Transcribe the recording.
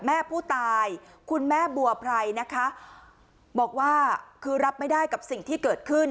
และบัวไพรบอกว่ารับไม่ได้กับสิ่งที่เกิดขึ้น